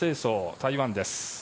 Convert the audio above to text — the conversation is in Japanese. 台湾です。